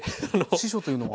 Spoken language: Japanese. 師匠というのは？